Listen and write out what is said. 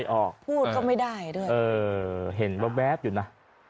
เออเห็นแบบอยู่นะ